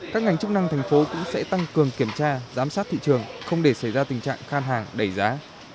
các ngành chức năng thành phố cũng sẽ tăng cường kiểm tra giám sát thị trường không để xảy ra tình trạng khan hàng đẩy giá